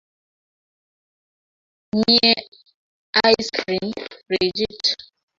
Mie ice cream frijit